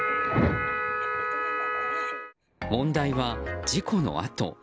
問題は事故のあと。